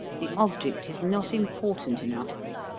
The object is not important enough.